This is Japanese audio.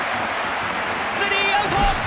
スリーアウト！